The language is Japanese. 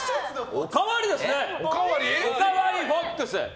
おかわりフォックス。